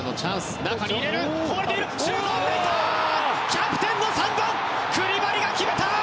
キャプテンの３番クリバリが決めた！